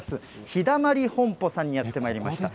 ひだまり本舗さんにやってまいりました。